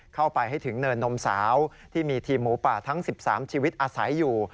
เข้าไปให้ถึงเนินนมสาวที่มีทีมหมูป่าทั้ง๑๓ชีวิตอาศัยอยู่